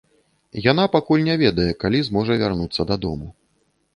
Яна пакуль не ведае, калі зможа вярнуцца дадому.